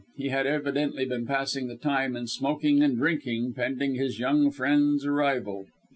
He had evidently been passing the time in smoking and drinking pending his young friend's arrival.